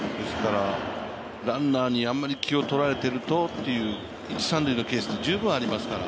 ランナーにあまり気をとられているとという一・三塁のケースっていうのは十分ありますから。